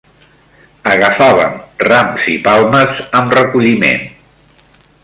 Agafàvem rams i palmes amb recolliment.